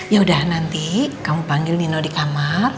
yaudah nanti kamu panggil nino di kamar